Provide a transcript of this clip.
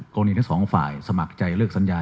กรุณิดสองฝ่ายสมัครใจเลิกสัญญา